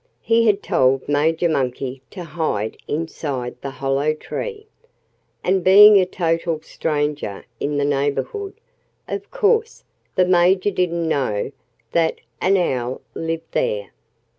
He had told Major Monkey to hide inside the hollow tree. And being a total stranger in the neighborhood, of course the Major didn't know that an owl lived there.